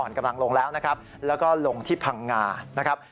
กำลังลงแล้วนะครับแล้วก็ลงที่พังงานะครับ